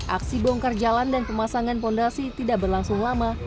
aksi bongkar jalan dan pemasangan fondasi tidak berlangsung lama